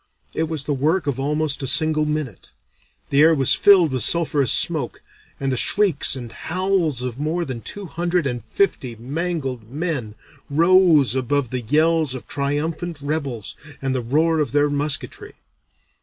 It was the work of almost a single minute. The air was filled with sulphurous smoke, and the shrieks and howls of more than two hundred and fifty mangled men rose above the yells of triumphant rebels and the roar of their musketry.